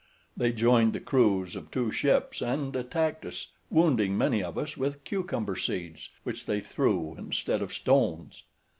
They joined the crews of two ships and attacked us, wounding many of us with cucumber seeds, which they threw instead of stones.